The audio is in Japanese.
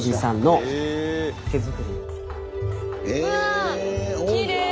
うわきれい！